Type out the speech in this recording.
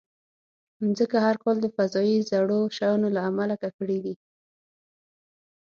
مځکه هر کال د فضایي زړو شیانو له امله ککړېږي.